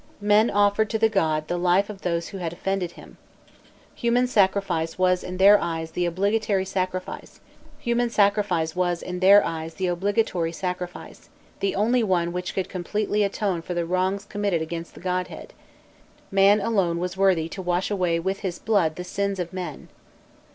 Men offered to the god the life of those who had offended him. Human sacrifice was in their eyes the obligatory sacrifice, the only one which could completely atone for the wrongs committed against the godhead; man alone was worthy to wash away with his blood the sins of men.